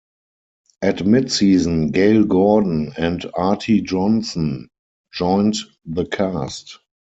At midseason, Gale Gordon and Arte Johnson joined the cast.